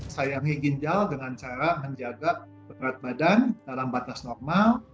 sayangi ginjal dengan cara menjaga berat badan dalam batas normal